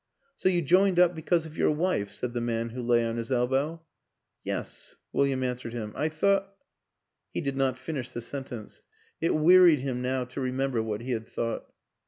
" So you joined up because of your wife," said the man who lay on his elbow. " Yes," William answered him, " I thought " He did not finish the sentence; it wearied him now to remember what he had thought.